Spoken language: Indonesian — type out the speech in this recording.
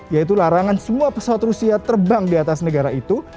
yaitu larangan semua pesawat rusia terbang di atas negara itu